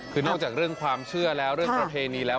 คือนอกจากเรื่องความเชื่อแล้วเรื่องประเพณีแล้ว